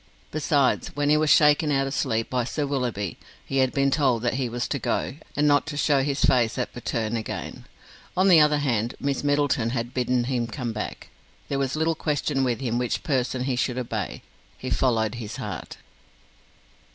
Besides, when he was shaken out of sleep by Sir Willoughby, he had been told that he was to go, and not to show his face at Patterne again. On the other hand, Miss Middleton had bidden him come back. There was little question with him which person he should obey: he followed his heart.